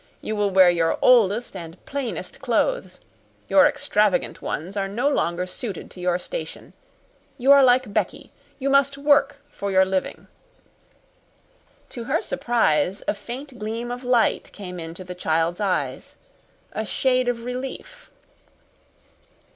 You will wear your oldest and plainest clothes your extravagant ones are no longer suited to your station. You are like Becky you must work for your living." To her surprise, a faint gleam of light came into the child's eyes a shade of relief.